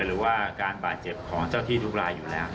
หรือว่าการบาดเจ็บของเจ้าที่ทุกรายอยู่แล้ว